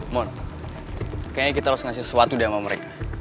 moon kayaknya kita harus ngasih sesuatu deh sama mereka